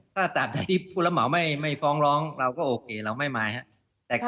ถ้าตามที่ผู้รับเหมาไม่ฟ้องร้องเราก็โอเคเราไม่มายครับ